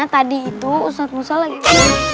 tadi itu usah usah lagi